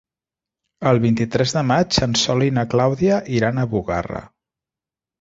El vint-i-tres de maig en Sol i na Clàudia iran a Bugarra.